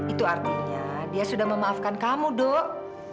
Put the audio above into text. itu artinya dia sudah memaafkan kamu dok